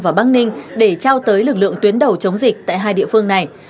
và bắc ninh để trao tới lực lượng tuyến đầu chống dịch tại hai địa phương này